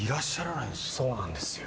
そうなんですよ。